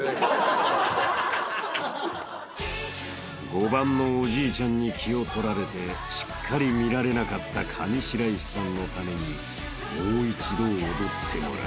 ［５番のおじいちゃんに気を取られてしっかり見られなかった上白石さんのためにもう一度踊ってもらう］